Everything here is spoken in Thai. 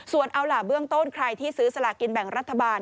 ส่วนเอาล่ะเบื้องต้นใครที่ซื้อสลากินแบ่งรัฐบาล